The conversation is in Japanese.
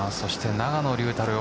永野竜太郎。